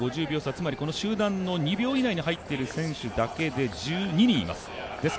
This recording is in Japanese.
つまりこの集団の２秒以内に入っている選手だけで１２人います。